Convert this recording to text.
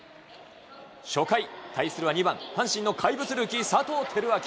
初回、対するは２番阪神の怪物ルーキー、佐藤輝明。